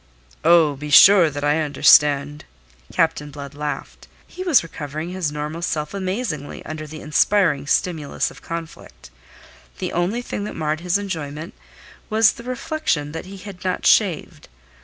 "Oh, be sure that I understand," Captain Blood laughed. He was recovering his normal self amazingly under the inspiring stimulus of conflict. The only thing that marred his enjoyment was the reflection that he had not shaved.